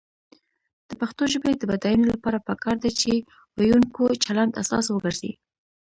د پښتو ژبې د بډاینې لپاره پکار ده چې ویونکو چلند اساس وګرځي.